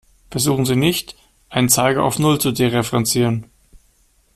Versuchen Sie nicht, einen Zeiger auf null zu dereferenzieren.